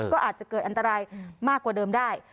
ก็อาจจะเกิดอันตรายมากกว่าเดิมได้